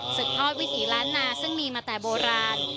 ทอดวิถีล้านนาซึ่งมีมาแต่โบราณ